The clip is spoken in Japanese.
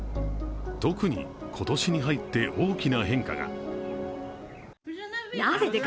特に今年に入って大きな変化が。